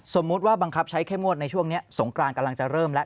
สมมุติว่าบังคับใช้เข้มงวดในช่วงนี้สงกรานกำลังจะเริ่มแล้ว